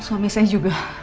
suami saya juga